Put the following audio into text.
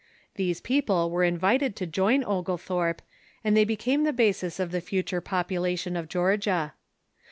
These people were invited to join Oglethorpe, and they became the basis of the future population of Georgia.